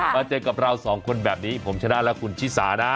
เจอกับเราสองคนแบบนี้ผมชนะและคุณชิสานะ